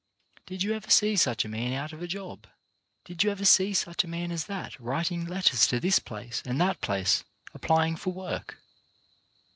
Did you ever see such a man out of a job? Did you ever see such a man as that writing letters to this place and that place apply ing for work?